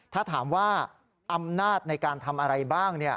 ถ้าถามว่าอำนาจในการทำอะไรบ้าง